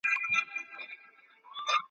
خټین لوښي ګرم نه ساتي.